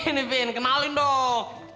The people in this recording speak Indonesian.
ini fiji kenalin dong